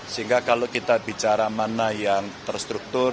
sehingga kalau kita bicara mana yang terstruktur